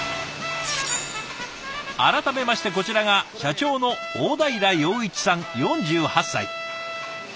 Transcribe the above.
改めましてこちらが社長の大平洋一さん４８歳。